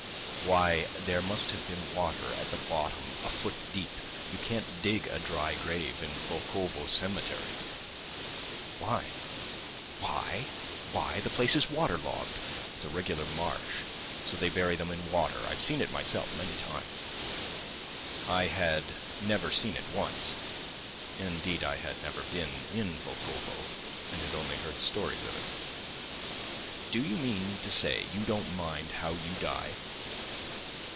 "Why, there must have been water at the bottom a foot deep. You can't dig a dry grave in Volkovo Cemetery." "Why?" "Why? Why, the place is waterlogged. It's a regular marsh. So they bury them in water. I've seen it myself ... many times." (I had never seen it once, indeed I had never been in Volkovo, and had only heard stories of it.) "Do you mean to say, you don't mind how you die?"